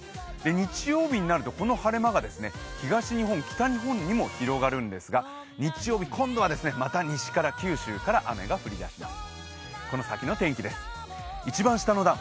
日曜日になるとこの晴れ間が東日本、北日本にも広がるんですが日曜日、今度はまた西から九州から雨が降りだします。